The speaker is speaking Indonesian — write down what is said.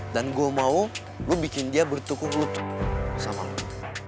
dan gue mau lo bikin dia bertukung lutut sama lo